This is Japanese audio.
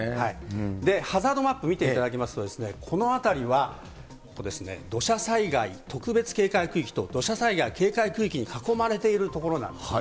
ハザードマップ見ていただきますと、この辺りは、ここですね、土砂災害特別警戒区域と、土砂災害警戒区域に囲まれている所なんですね。